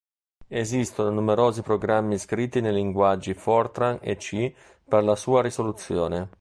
Esistono numerosi programmi scritti nei linguaggi Fortran e C per la sua risoluzione.